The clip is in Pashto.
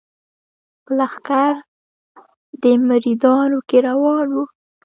په لښکر د مریدانو کي روان وو